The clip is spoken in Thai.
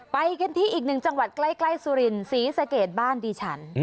ไปกันที่อีกหนึ่งจังหวัดใกล้สุรินศรีสะเกดบ้านดิฉัน